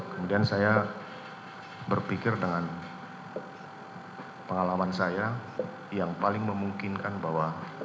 kemudian saya berpikir dengan pengalaman saya yang paling memungkinkan bahwa